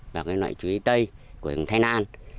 và cái loại chuối tây của thái lan